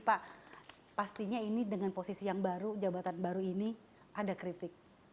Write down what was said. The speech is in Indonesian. pak pastinya ini dengan posisi yang baru jabatan baru ini ada kritik